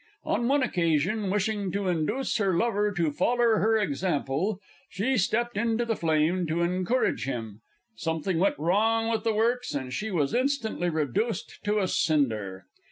On one occasion, wishing to indooce her lover to foller her example, she stepped into the flame to encourage him something went wrong with the works, and she was instantly redooced to a cinder.